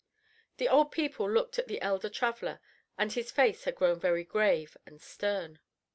The old people looked at the elder traveler and his face had grown very grave and stern.